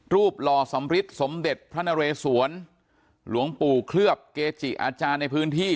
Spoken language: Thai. หล่อสำริทสมเด็จพระนเรสวนหลวงปู่เคลือบเกจิอาจารย์ในพื้นที่